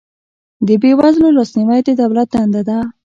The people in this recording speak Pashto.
د بې وزلو لاسنیوی د دولت دنده ده